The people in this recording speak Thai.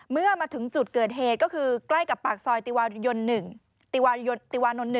เมื่อมาถึงจุดเกิดเหตุก็คือใกล้กับปากซอยติวาริยน๑ติวานนท์๑